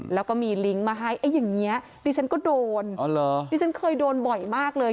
แล้วก็มีลิงก์มาให้อย่างนี้ดิฉันก็โดนอ๋อเหรอดิฉันเคยโดนบ่อยมากเลย